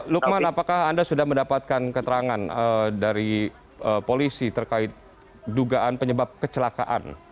lukman apakah anda sudah mendapatkan keterangan dari polisi terkait dugaan penyebab kecelakaan